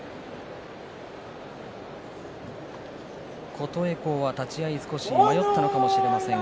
琴恵光は立ち合い少し迷ったのかもしれません。